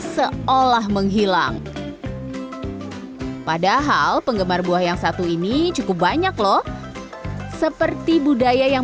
seolah menghilang padahal penggemar buah yang satu ini cukup banyak loh seperti budaya yang